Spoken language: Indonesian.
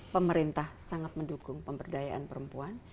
pemerintah sangat mendukung pemberdayaan perempuan